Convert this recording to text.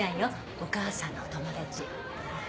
お母さんのお友達。